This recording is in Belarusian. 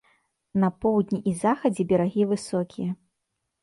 На поўдні і захадзе берагі высокія.